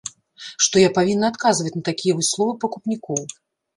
Што я павінна адказваць на такія вось словы пакупнікоў?